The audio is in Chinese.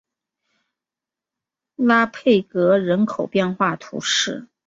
拉佩格人口变化图示